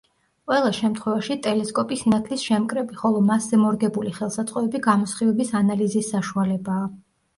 ყველა შემთვევაში ტელესკოპი სინათლის შემკრები, ხოლო მასზე მორგებული ხელსაწყოები გამოსხივების ანალიზის საშუალებაა.